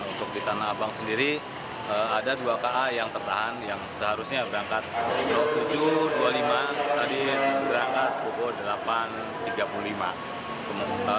untuk di tanah abang sendiri ada dua ka yang tertahan yang seharusnya berangkat tujuh dua puluh lima tadi berangkat pukul delapan tiga puluh lima